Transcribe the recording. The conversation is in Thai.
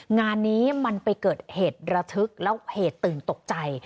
งานนี้มันไปเกิดเหตุระทึกแล้วเหตุตื่นตกใจ